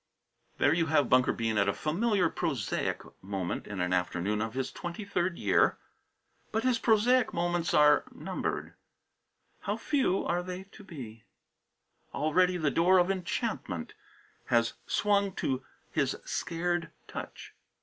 There you have Bunker Bean at a familiar, prosaic moment in an afternoon of his twenty third year. But his prosaic moments are numbered. How few they are to be! Already the door of Enchantment has swung to his scared touch.